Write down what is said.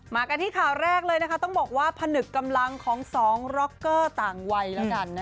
มากันที่ข่าวแรกต้องบอกว่าผนึกกำลังของสองร็อคเกอร์ต่างวัย